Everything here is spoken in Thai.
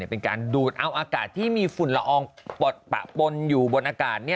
เป็นการดูดเอาอากาศที่มีฝุ่นละอองปลดปะปนอยู่บนอากาศ